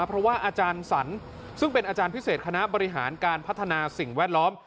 เพราะว่าอาจารย์สรรซึ่งเป็นอาจารย์พิเศษคณะบริหารการพัฒนาสิ่งแวดล้อม